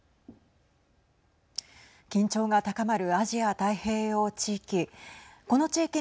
緊張が高まるアジア太平洋地域。